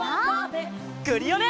クリオネ！